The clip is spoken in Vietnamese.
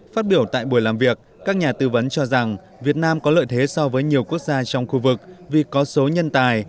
phát biểu tại buổi làm việc các nhà tư vấn cho rằng việt nam có lợi thế so với nhiều quốc gia trong khu vực vì có số nhân tài